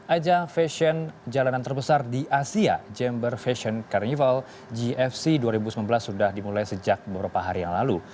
ajang fashion jalanan terbesar di asia jember fashion carnival gfc dua ribu sembilan belas sudah dimulai sejak beberapa hari yang lalu